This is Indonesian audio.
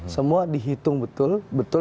semua dihitung betul